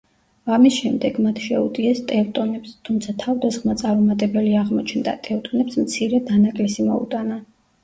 ამის შემდეგ, მათ შეუტიეს ტევტონებს, თუმცა თავდასხმა წარუმატებელი აღმოჩნდა, ტევტონებს მცირე დანაკლისი მოუტანა.